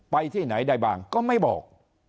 ไปที่ไหนได้บ้างก็ไม่บอก